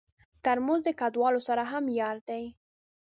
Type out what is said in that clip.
ترموز د کډوالو سره هم یار دی.